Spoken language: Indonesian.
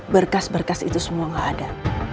berkas berkas itu semua nggak ada